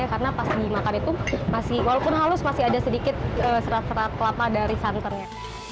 karena pas dimakan itu masih walaupun halus masih ada sedikit serat serat kelapa dari santannya